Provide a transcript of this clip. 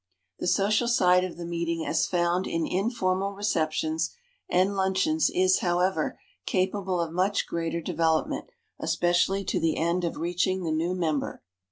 The social side of the meeting as found in informal receptions and luncheons is, however, capable of much greater development, especially to the end of reaching the new member.